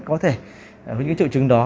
có thể với những triệu chứng đó